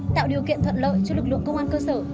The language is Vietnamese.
tạo điều kiện thuận lợi cho lực lượng công an cơ sở